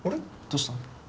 どうした？